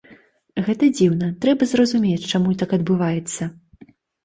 Гэта дзіўна, трэба зразумець, чаму так адбываецца.